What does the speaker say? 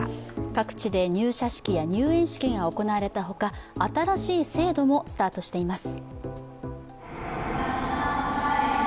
各地で入社式や入園式が行われたほか新しい制度もスタートしています。